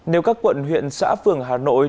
nếu các quận huyện xã phường hà nội